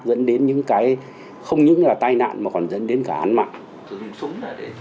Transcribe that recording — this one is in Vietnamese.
dẫn đến những cái không những là tai nạn mà còn dẫn đến cả án mạng